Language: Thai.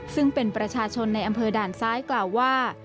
ซึ่งเป็นประชาชนในอำเภอด่านซ้ายกล่าวว่า